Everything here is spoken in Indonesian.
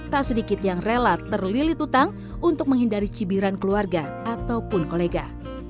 tak sedikit yang rela terlilit utang untuk menghindari cibiran keluarga ataupun kolega